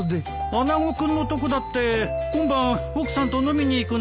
穴子君のとこだって今晩奥さんと飲みに行くんだろ？